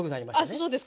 あそうですか？